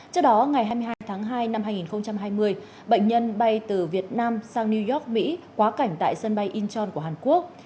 trước đó ngày hai mươi hai tháng hai năm hai nghìn hai mươi bệnh nhân bay từ việt nam sang new york mỹ quá cảnh tại sân bay incheon của hàn quốc